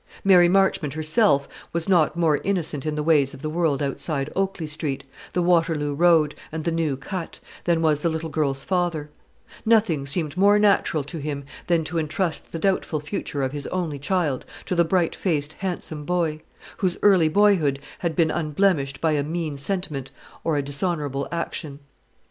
Mary Marchmont herself was not more innocent in the ways of the world outside Oakley Street, the Waterloo Road, and the New Cut, than was the little girl's father; nothing seemed more natural to him than to intrust the doubtful future of his only child to the bright faced handsome boy, whose early boyhood had been unblemished by a mean sentiment or a dishonourable action.